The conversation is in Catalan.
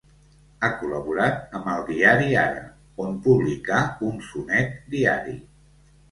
Ha col·laborat amb el diari Ara, on publicà un sonet diari.